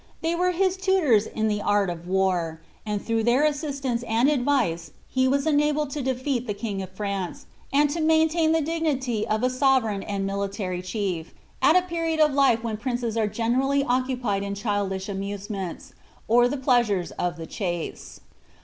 They were his tutors in the art of war, and through their assist ance and advice he was enabled to defeat tlie king of France, and to maintain the dignity of a sovereign and military chief, at a period of life when princes are generally occupied in childish amusements, or the pleasures of the chase.'